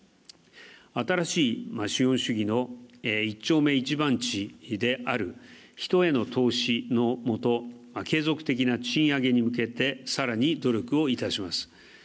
新しい資本主義の１丁目１番地である人への投資のもと継続的な賃上げに向けて、さらに努力をいたします。